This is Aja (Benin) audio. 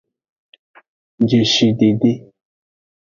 Jeshidede.